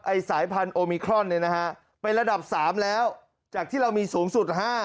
ไอ้สายพันธุ์โอมิครอนไประดับ๓แล้วจากที่เรามีสูงสุด๕